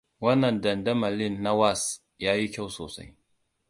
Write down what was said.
Wannan dandamalin na wax ya yi kyau sosai.